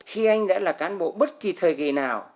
khi anh đã là cán bộ bất kỳ thời kỳ nào